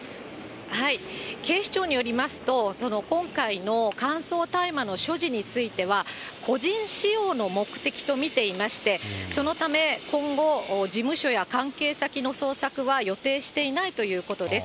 警視庁によりますと、今回の乾燥大麻の所持については、個人使用の目的と見ていまして、そのため、今後、事務所や関係先の捜索は予定していないということです。